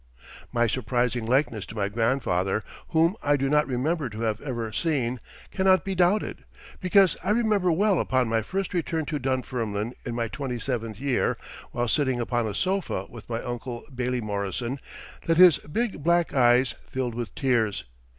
My surprising likeness to my grandfather, whom I do not remember to have ever seen, cannot be doubted, because I remember well upon my first return to Dunfermline in my twenty seventh year, while sitting upon a sofa with my Uncle Bailie Morrison, that his big black eyes filled with tears.